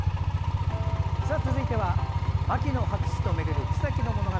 続いては「牧野博士とめぐる草木の物語」。